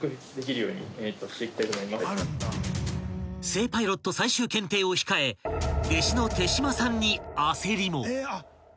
［正パイロット最終検定を控え弟子の手島さんに］